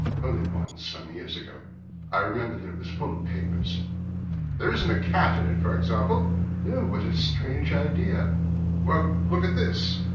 "Only once, some years ago. I remember that it was full of papers." "There isn't a cat in it, for example?" "No. What a strange idea!" "Well, look at this!"